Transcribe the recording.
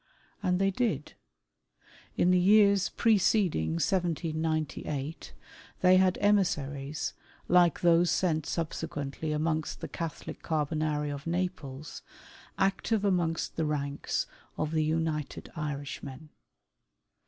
And they did. In the years preceding 1798, they had emissaries, like those sent subsequently amongst the Catholic Carbonari of Naples, active amongst the ranks of the United Irishmen.